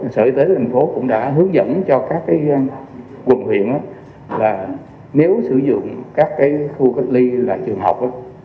sở y tế thành phố cũng đã hướng dẫn cho các quận huyện là nếu sử dụng các khu cách ly là trường học